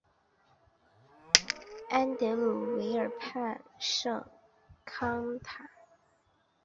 安德鲁瓦河畔圣康坦。